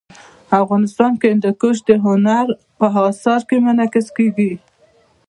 افغانستان کې هندوکش د هنر په اثار کې منعکس کېږي.